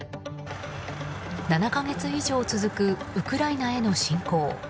７か月以上続くウクライナへの侵攻。